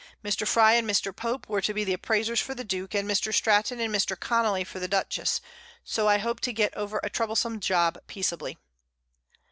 Mr. Frye and Mr. Pope were to be Appraisers for the Duke, and Mr. Stratton and Mr. Connely for the Dutchess, so I hope to get over a troublesome Job peaceably.